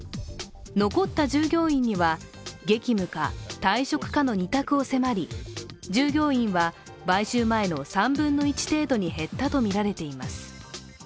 残った従業員には、激務か退職かの二択を迫り、従業員は買収前の３分の１程度に減ったとみられています。